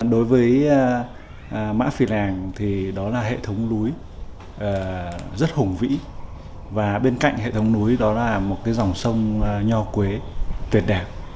đối với mã phị làng thì đó là hệ thống núi rất hùng vĩ và bên cạnh hệ thống núi đó là một cái dòng sông nho quế tuyệt đẹp